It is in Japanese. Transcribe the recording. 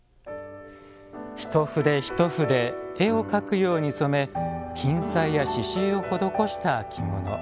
一筆一筆絵を描くように染め金彩や刺繍を施した着物。